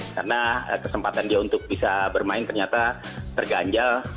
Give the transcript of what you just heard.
karena kesempatan dia untuk bisa bermain ternyata terganjal